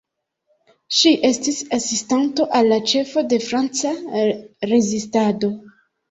Ŝi estis asistanto al la ĉefo de Franca rezistado.